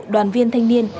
đoàn viên thanh niên